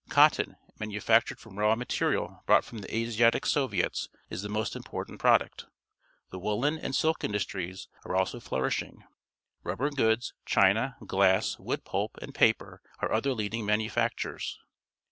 Cotton, manufactured from raw material brought froinl]Fie~]taatic So\'iets, is the most important product. The woollen and silk in dustries are also flourishing. Rubber goods, cliina, glass, wood pulp, and paper are other leading manufactures.